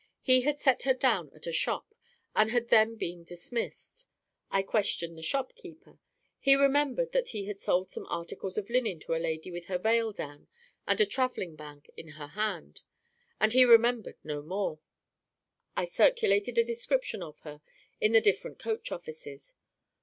He had set her down at a shop, and had then been dismissed. I questioned the shop keeper. He remembered that he had sold some articles of linen to a lady with her veil down and a traveling bag in her hand, and he remembered no more. I circulated a description of her in the different coach offices.